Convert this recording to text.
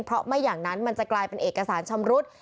เพราะไม่อย่างนั้นมันจะกลายเป็นเอกสารชำรุด